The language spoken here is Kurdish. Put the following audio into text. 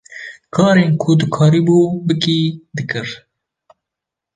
Karên ku dikarîbû bikî, dikir.